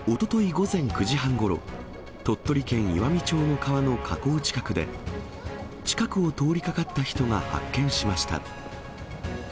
午前９時半ごろ、鳥取県岩美町の川の河口近くで、近くを通りかかった人が発見しました。